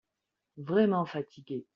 Vraiment fatigué.